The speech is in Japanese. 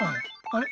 あれ？